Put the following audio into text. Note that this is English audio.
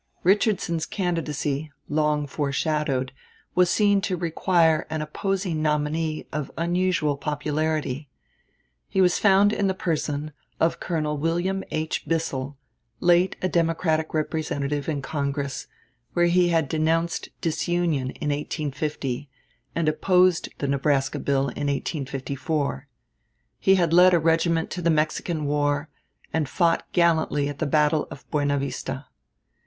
Richardson's candidacy, long foreshadowed, was seen to require an opposing nominee of unusual popularity. He was found in the person of Colonel William H. Bissell, late a Democratic representative in Congress, where he had denounced disunion in 1850, and opposed the Nebraska bill in 1854. He had led a regiment to the Mexican war, and fought gallantly at the battle of Buena Vista.